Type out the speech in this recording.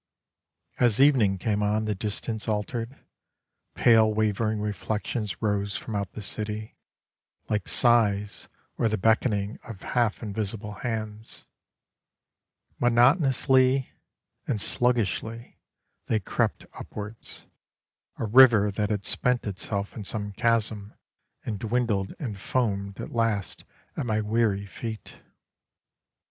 As evening came on the distance altered, Pale wavering reflections rose from out the city, Like sighs or the beckoning of half invisible hands. Monotonously and sluggishly they crept upwards A river that had spent itself in some chasm, And dwindled and foamed at last at my weary feet.